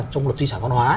trong luật di sản văn hóa